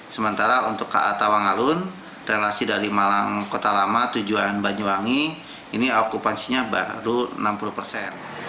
sementara untuk ka tawang alun relasi dari malang kota lama tujuan banyuwangi ini okupansinya baru enam puluh persen